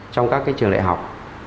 trong các trường đại học